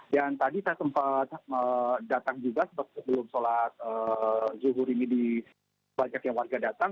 dan tadi saya sempat datang juga sebelum sholat zuhur ini di balik balik yang warga datang